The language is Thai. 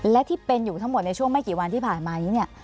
และที่เป็นอยู่ทั้งหมดในช่วงไม่กี่วันที่ผ่านมานี้เนี่ย